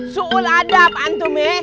suul adab antum ya